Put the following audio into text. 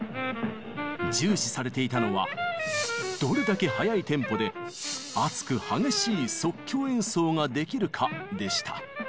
重視されていたのは「どれだけ速いテンポで熱く激しい即興演奏ができるか」でした。